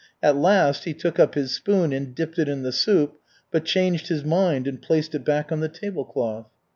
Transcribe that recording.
At last he took up his spoon and dipped it in the soup, but changed his mind, and placed it back on the tablecloth.